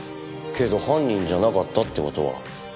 けど犯人じゃなかったって事は。